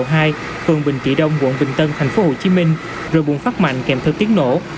phường bình trị đông quận bình tân tp hcm rồi bùng phát mạnh kèm thơ tiến nổ